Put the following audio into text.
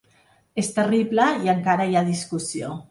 És terrible i encara hi ha discussió.